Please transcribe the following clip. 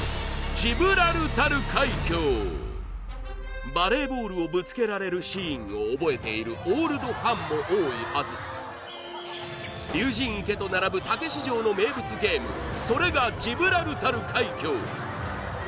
ジブラルタル海峡バレーボールをぶつけられるシーンを覚えているオールドファンも多いはず竜神池と並ぶたけし城の名物ゲームそれがジブラルタル海峡